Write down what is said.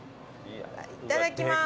いただきます。